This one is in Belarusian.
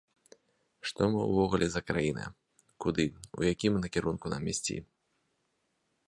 Што мы ўвогуле за краіна, куды, у якім накірунку нам ісці.